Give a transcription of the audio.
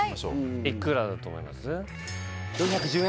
いくらだと思います？